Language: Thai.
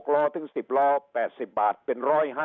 ล้อถึง๑๐ล้อ๘๐บาทเป็น๑๕๐